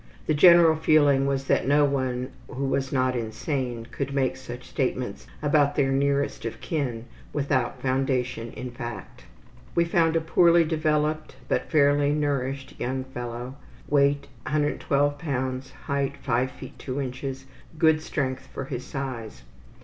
The general feeling was that no one who was not insane could make such statements about their nearest of kin without foundation in fact. We found a poorly developed, but fairly nourished young fellow; weight 112 lbs., height 5 ft. 2 in.; good strength for his size.